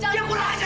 dia kurang ajar